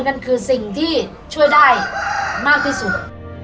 นั่นคือสิ่งที่ช่วยได้มากที่สุด